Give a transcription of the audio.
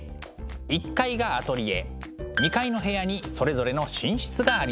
１階がアトリエ２階の部屋にそれぞれの寝室がありました。